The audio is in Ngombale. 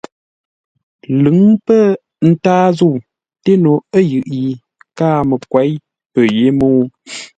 Lʉ̂ŋ pə̂ ntâa zə̂u ńté no ə̂ yʉʼ yi káa məkwěi pə̂ yé mə́u.